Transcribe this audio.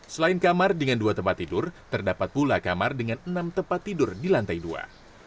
selain kamar dengan dua tempat tidur terdapat pula kamar dengan enam tempat tidur di lantai dua